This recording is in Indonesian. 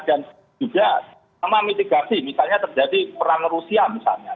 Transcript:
dan juga sama mitigasi misalnya terjadi peran rusia misalnya